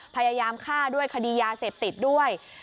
พยายามฆ่าด้วยคดียาเสพติดด้วย